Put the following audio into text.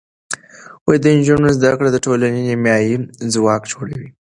د نجونو زده کړه د ټولنې نیمایي ځواک جوړوي.